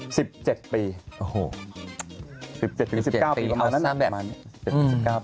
๑๗ปีถึง๑๙ปีประมาณนั้น